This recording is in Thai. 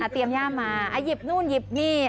เตรียมย่ามมาหยิบนู่นหยิบนี่